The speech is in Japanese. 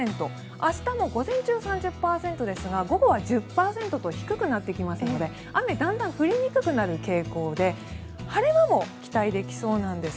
明日の午前中は３０％ですが午後は１０％と低くなってきますので雨だんだん降りにくくなる傾向で晴れ間も期待できそうなんです。